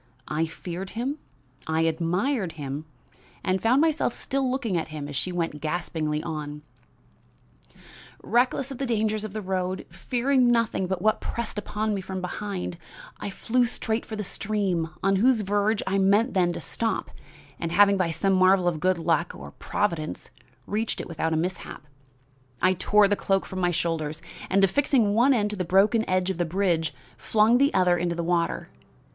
I feared him, I admired him, and found myself still looking at him as she went gaspingly on: "Reckless of the dangers of the road, fearing nothing but what pressed upon me from behind, I flew straight for the stream, on whose verge I meant then to stop, and, having by some marvel of good luck or Providence reached it without a mishap, I tore the cloak from my shoulders, and, affixing one end to the broken edge of the bridge, flung the other into the water.